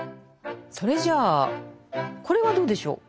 それじゃあこれはどうでしょう。